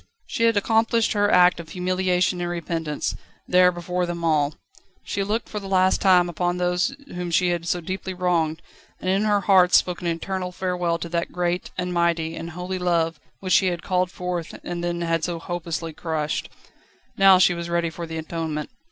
She had accomplished her act of humiliation and repentance, there before them all. She looked for the last time upon those whom she had so deeply wronged, and in her heart spoke an eternal farewell to that great, and mighty, and holy love which she had called forth and then had so hopelessly crushed. Now she was ready for the atonement.